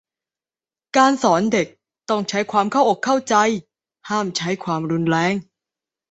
การสอนเด็กต้องใช้ความเข้าอกเข้าใจ ห้ามใช้ความรุนแรง